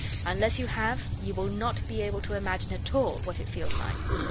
Unless you have you will not be able to imagine at all what it feels like.